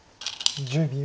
１０秒。